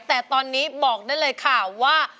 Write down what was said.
แต่ตอนนี้บอกได้เลยค่ะว่า